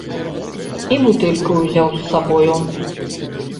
І бутэльку ўзяў з сабою.